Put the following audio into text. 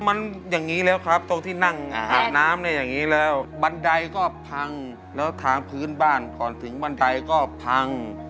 มันอย่างนี้แล้วครับตรงที่นั่งอาบน้ำเนี่ยอย่างนี้แล้วบันไดก็พังแล้วทางพื้นบ้านก่อนถึงบันไดก็พัง